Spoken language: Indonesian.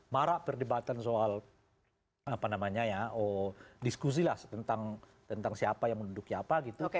marah perdebatan soal diskusilah tentang siapa yang menunduk siapa gitu